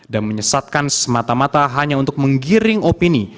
dan menyesatkan semata mata hanya untuk menggiring opini